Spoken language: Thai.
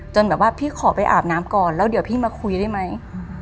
แบบว่าพี่ขอไปอาบน้ำก่อนแล้วเดี๋ยวพี่มาคุยได้ไหม